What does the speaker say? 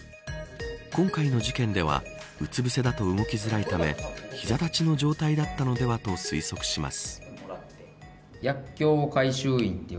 今回の事件ではうつぶせだと動きづらいため膝立ちの状態だったのではと推測します。